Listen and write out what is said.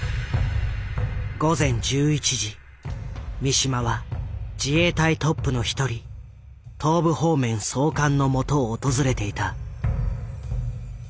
三島は自衛隊トップの一人東部方面総監のもとを訪れていた。